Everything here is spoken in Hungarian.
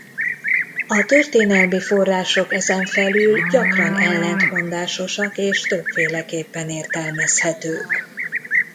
A történelmi források ezenfelül gyakran ellentmondásosak és többféleképpen értelmezhetők.